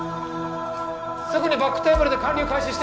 すぐにバックテーブルで還流開始して。